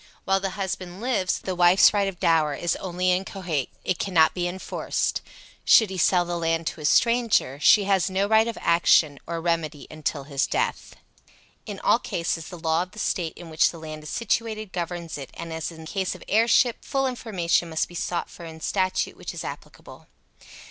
While the husband lives the wife's right of dower in only inchoate; it cannot be enforced. Should he sell the land to a stranger, she has no right of action or remedy until his death. In all cases the law of the State in which the land is situated governs it, and, as in the case of heirship, full information must be sought for in statute which is applicable.